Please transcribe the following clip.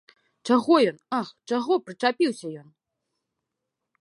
Чаго ён, ах, чаго прычапіўся ён!